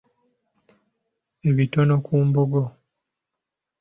Ebitono ku Mbogo.